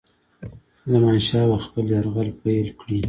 زمانشاه به خپل یرغل پیل کړي.